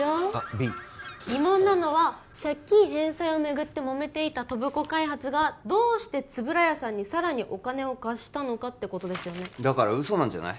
Ｂ疑問なのは借金返済をめぐってモメていた戸部子開発がどうして円谷さんにさらにお金を貸したのかってことですよねだから嘘なんじゃない？